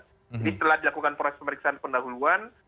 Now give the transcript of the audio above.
jadi telah dilakukan proses pemeriksaan pendahuluan